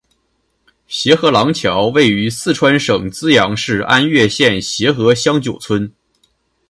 协和廊桥位于四川省资阳市安岳县协和乡九村。